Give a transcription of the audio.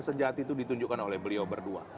sejati itu ditunjukkan oleh beliau berdua